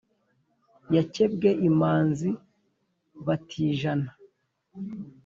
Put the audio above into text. yakebwe imanzi batijana